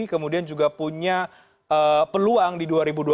kemudian juga punya peluang di dua ribu dua puluh